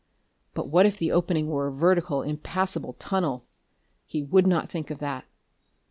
But what if the opening were a vertical, impassable tunnel? He would not think of that....